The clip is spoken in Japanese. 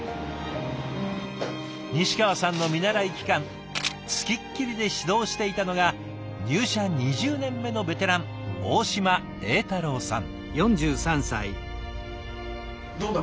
西川さんの見習い期間付きっきりで指導していたのが入社２０年目のベテラン大島栄太郎さん。